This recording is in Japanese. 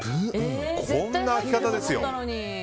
こんな開き方ですよ。